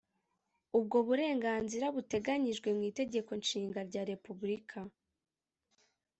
ubwo burenganzira buteganyijwe mu itegeko nshinga rya repubulika